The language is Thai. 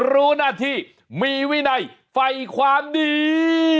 รู้หน้าที่มีวินัยไฟความดี